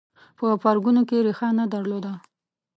په پرګنو کې ریښه نه درلوده